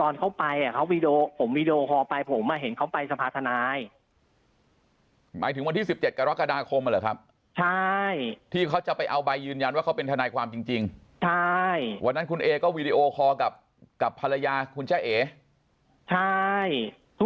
แล้วผมก็พาเค้าไปที่ศาลไปทำงานอยู่ก็เห็นอยู่